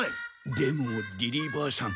でもリリーばあさん